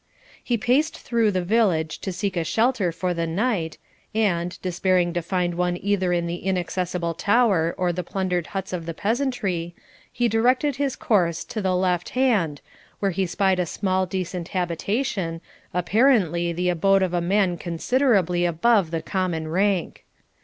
He paced through the village to seek a shelter for the night, and, despairing to find one either in the inaccessible tower or the plundered huts of the peasantry, he directed his course to the left hand, where he spied a small decent habitation, apparently the abode of a man considerably above the common rank.